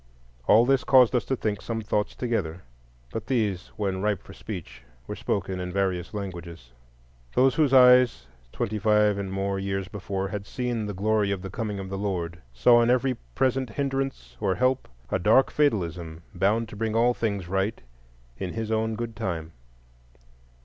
All this caused us to think some thoughts together; but these, when ripe for speech, were spoken in various languages. Those whose eyes twenty five and more years before had seen "the glory of the coming of the Lord," saw in every present hindrance or help a dark fatalism bound to bring all things right in His own good time.